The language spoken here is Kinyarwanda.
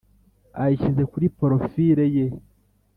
ayishyize kuri porofile ye.